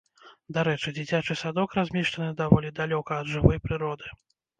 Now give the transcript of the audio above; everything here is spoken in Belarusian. Дарэчы, дзіцячы садок размешчаны даволі далёка ад жывой прыроды.